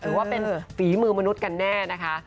หรือว่าเป็นฝีมือมนุษย์กันแน่นะคะ